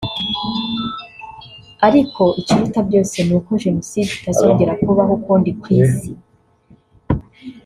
ariko ikiruta byose ni uko Jenoside itazongera kubaho ukundi ku Isi